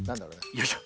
よいしょ。